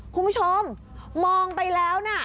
คุณผู้ชมมองไปแล้วนะ